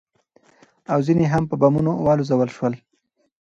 او ځنې هم په بمونو والوزول شول.